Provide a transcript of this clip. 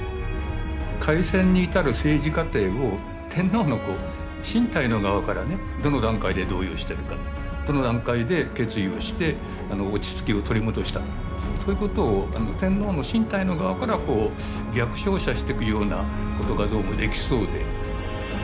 開戦に至る政治過程を天皇の身体の側からねどの段階で動揺してるかどの段階で決意をして落ち着きを取り戻したかそういうことを天皇の身体の側から逆照射してくようなことがどうもできそうで。